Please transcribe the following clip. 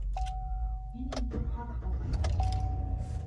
— Һин инде ҡарт бабай!